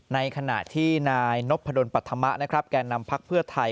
ในขณะที่นายนพดลปัธมะนะครับแก่นำพักเพื่อไทย